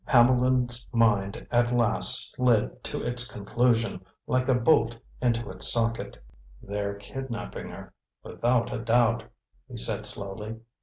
Hambleton's mind at last slid to its conclusion, like a bolt into its socket. "They're kidnapping her, without a doubt," he said slowly.